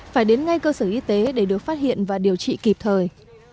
phải đến ngay cơ sở y tế để được phát hiện và điều trị kịp thời